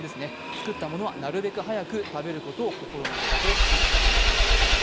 作ったものはなるべく早く食べることを心がけた方がいいということです。